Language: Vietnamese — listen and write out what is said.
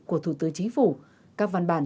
của thủ tư chí phủ các văn bản